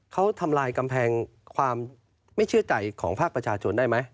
เขาทำลายกำแพงความไม่เชื่อใจของภาคประชาชนได้ไหม